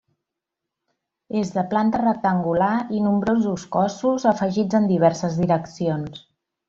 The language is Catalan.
És de planta rectangular i nombrosos cossos afegits en diverses direccions.